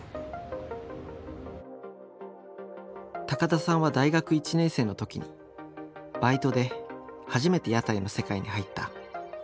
高田さんは大学１年生の時にバイトで初めて屋台の世界に入った。